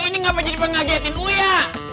ini ngapa jadi pengagetin u ya